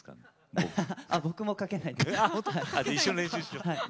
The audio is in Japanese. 僕も書けないです。